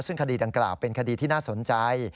ซึ่งคดีดังกล่าวเป็นคดีที่น่าสนใจ